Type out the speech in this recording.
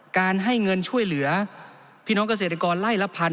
การให้เงินช่วยเหลือพี่น้องเกษตรกรไล่ละพัน